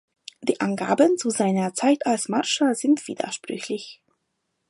Die Angaben zu seiner Zeit als Marschall sind widersprüchlich.